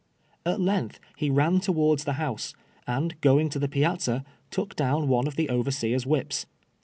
At length lie I'au towards the house, and going to the piazza, took down one of the overseer's whips.